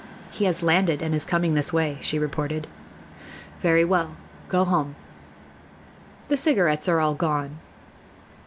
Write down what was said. "He has landed and is coming this way," she reported. "Very well. Go home." "The cigarettes are all gone."